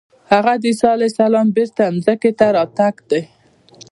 هغه د عیسی علیه السلام بېرته ځمکې ته راتګ دی.